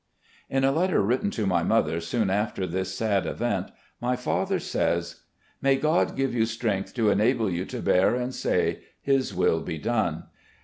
In a letter written to my mother soon after this sad event my father says :" May God give you strength to enable you to bear and say, 'His will be done.